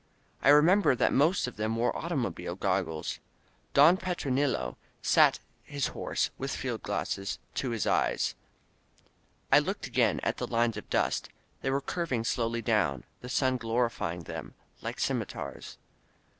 I remember that most of them wore automobile goggles. Don Petronilo sat his horse, with field glasses to his eyes. I looked again at the lines of dust — ^they were curving slowly down, the sun glorifying them — ^like scimitars.